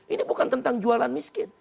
ini bukan tentang jualan miskin